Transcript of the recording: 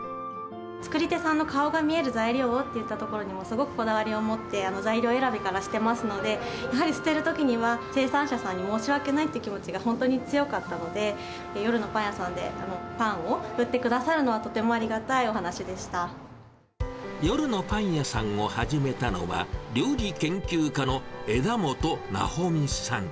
作り手さんの顔が見える材料をっていったところにもすごくこだわりを持って、材料選びからしてますので、やはり捨てるときには生産者さんに申し訳ないという気持ちが本当に強かったので、夜のパン屋さんでパンを売ってくださるのは、夜のパン屋さんを始めたのは、料理研究家の枝元なほみさん。